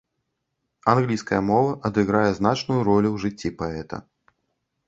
Англійская мова адыграе значную ролю ў жыцці паэта.